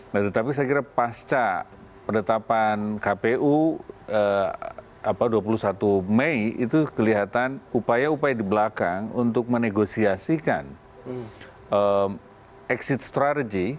nah tetapi saya kira pasca penetapan kpu dua puluh satu mei itu kelihatan upaya upaya di belakang untuk menegosiasikan exit strategy